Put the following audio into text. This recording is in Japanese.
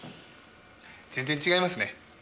全然違いますね。